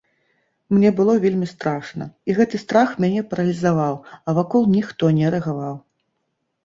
Мне было вельмі страшна, і гэты страх мяне паралізаваў, а вакол ніхто не рэагаваў.